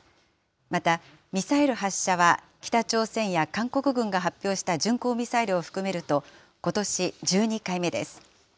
また、ミサイル発射は北朝鮮や韓国軍が発表した巡航ミサイルを含めると、ことし１２回目です。